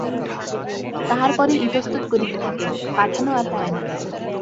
তাহার পরেই ইতস্তত করিতে থাকেন, পাঠানো আর হয় না।